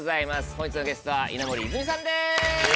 本日のゲストは稲森いずみさんです。